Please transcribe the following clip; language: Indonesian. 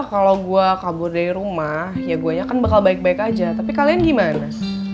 kalau gue kabur dari rumah ya gue nya kan bakal baik baik aja tapi kalian gimana